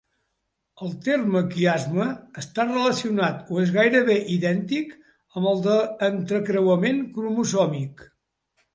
El terme quiasma està relacionat o és gairebé idèntic amb el d'entrecreuament cromosòmic.